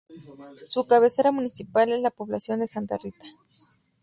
Su cabecera municipal es la población de Santa Rita.